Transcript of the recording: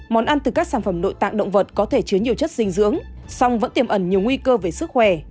món ăn từ các sản phẩm nội tạng động vật có thể chứa nhiều chất dinh dưỡng song vẫn tiềm ẩn nhiều nguy cơ về sức khỏe